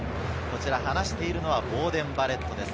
話しているのはボーデン・バレットです。